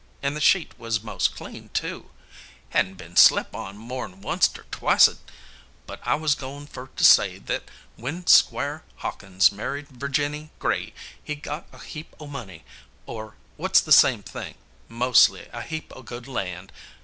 And the sheet was mos' clean too. Had n been slep on more'n wunst or twicet. But I was goin' fer to say that when Squire Hawkins married Virginny Gray he got a heap o' money, or, what's the same thing mostly, a heap o' good land.